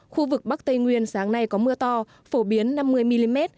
khu vực bắc tây nguyên sáng nay có mưa to phổ biến năm mươi mm